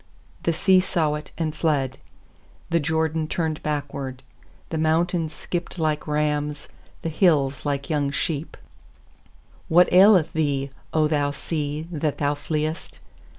3The sea saw it, and fled; The Jordan turned backward. 4The mountains skipped like rams, The hills like young sheep* 8What aileth thee, 0 thou sea, that thou fleest?